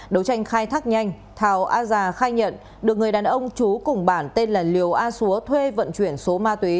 đấu tranh khai thác nhanh thào a già khai nhận được người đàn ông chú cùng bản tên là liều a xúa thuê vận chuyển số ma túy